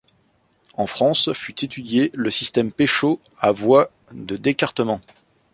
En France fut étudié le système Péchot à voie de d'écartement.